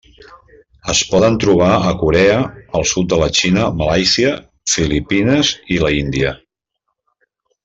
Es poden trobar a Corea, al sud de la Xina, Malàisia, Filipines i l'Índia.